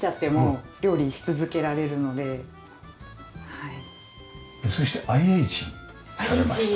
はい。